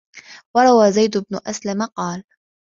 وَرَوَى زَيْدُ بْنُ أَسْلَمَ قَالَ